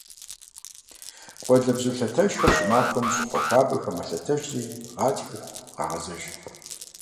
Къуалэбзу лъэтэжхэр щӀымахуэм щӀыпӀэ хуабэхэм мэлъэтэжри гъатхэм къагъэзэж.